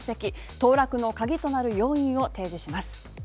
当落のカギとなる要因を提示します。